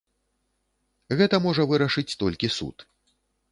Гэта можа вырашыць толькі суд!